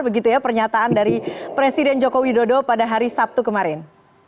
begitu ya pernyataan dari presiden joko widodo pada hari sabtu kemarin